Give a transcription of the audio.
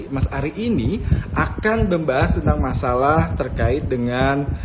mas ari ini akan membahas tentang masalah terkait dengan